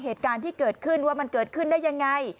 เหตุการณ์ที่เกิดขึ้นว่ามันเกิดขึ้นได้ยังไง